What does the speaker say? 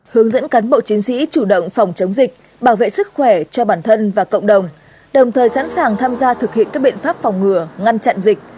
hướng dẫn cán bộ chiến sĩ chủ động phòng chống dịch bảo vệ sức khỏe cho bản thân và cộng đồng đồng thời sẵn sàng tham gia thực hiện các biện pháp phòng ngừa ngăn chặn dịch